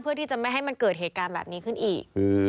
เพื่อที่จะไม่ให้มันเกิดเหตุการณ์แบบนี้ขึ้นอีก